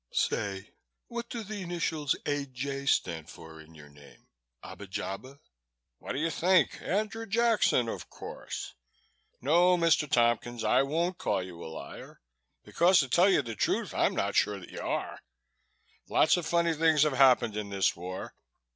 Say, what do the initials A. J. stand for in your name? Abba Jabba?" "What do you think? Andrew Jackson, of course. No, Mr. Tompkins, I won't call you a liar because, to tell the truth, I'm not sure that you are. Lots of funny things have happened in this war.